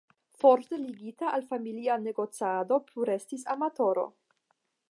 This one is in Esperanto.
Forte ligita al familia negocado plu restis amatoro.